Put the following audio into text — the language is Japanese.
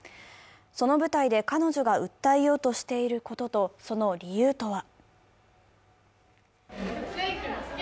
その舞台で彼女が訴えようとしていることと、その理由とは。